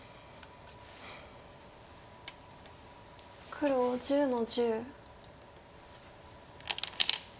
黒１０の十。